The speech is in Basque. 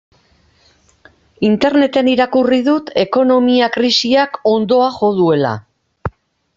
Interneten irakurri dut ekonomia krisiak hondoa jo duela.